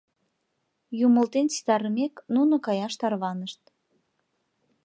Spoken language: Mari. Юмылтен ситарымек, нуно каяш тарванышт.